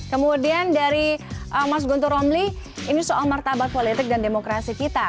kemudian dari mas guntur romli ini soal martabat politik dan demokrasi kita